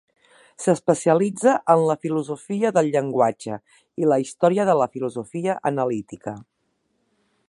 S'especialitza en la filosofia del llenguatge i la història de la filosofia analítica.